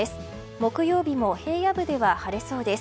木曜日も平野部では晴れそうです。